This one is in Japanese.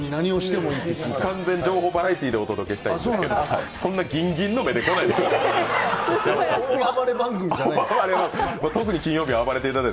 完全情報バラエティーでお届けしたいんですけどそんなギンギンの目で来ないでください。